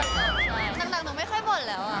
ต่างหนูไม่ค่อยบ่นแล้วอ่ะ